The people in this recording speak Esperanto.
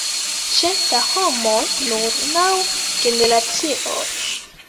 Ĉe la homoj nur naŭ generacioj.